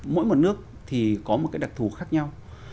mỗi một nước thì có một cái đặc thù khác nhau